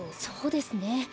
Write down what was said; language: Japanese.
そうですね。